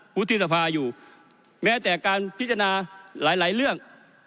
วุฒิสภาอยู่แม้แต่การพิจารณาหลายเรื่อง